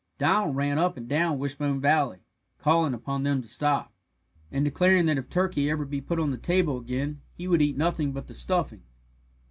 Donald ran up and down Wishbone Valley, calling upon them to stop, and declaring that if turkey should ever be put upon the table again he would eat nothing but the stuffing.